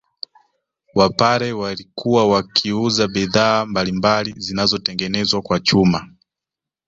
Wapare walikuwa wakiuza bidhaa mbalimbali zinazotengenezwa kwa chuma